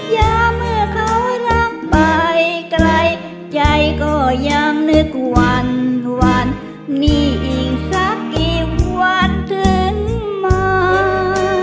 อย่าเมื่อเขารักไปไกลใจก็ยังนึกวันมีอีกสักกี่วันถึงมา